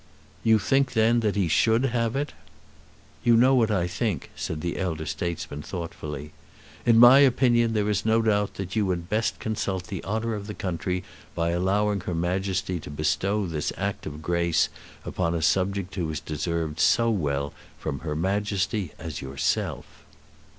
"You think, then, that he should have it?" "You know what I think," said the elder statesman thoughtfully. "In my opinion there is no doubt that you would best consult the honour of the country by allowing her Majesty to bestow this act of grace upon a subject who has deserved so well from her Majesty as yourself."